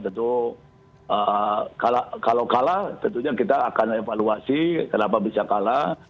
tentu kalau kalah tentunya kita akan evaluasi kenapa bisa kalah